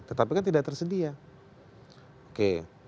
tetapi kan tidak tersedia oke